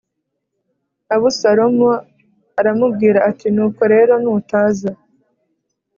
Abusalomu aramubwira ati “Nuko rero nutaza